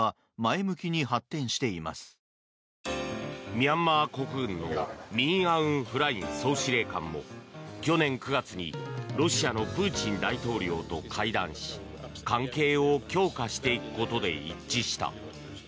ミャンマー国軍のミン・アウン・フライン総司令官も去年９月にロシアのプーチン大統領と会談し関係を強化していくことで一致した。